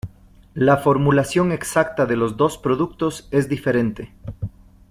La formulación exacta de los dos productos es diferente.